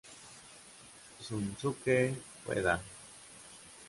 Shunsuke Ueda